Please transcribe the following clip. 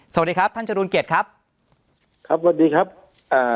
สวัสดีครับท่านจรูนเกียรติครับครับสวัสดีครับอ่า